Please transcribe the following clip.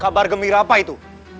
kabar gembira apa itu